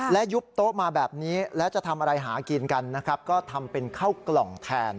และยุบโต๊ะมาแบบนี้แล้วจะทำอะไรหากินกันนะครับก็ทำเป็นข้าวกล่องแทน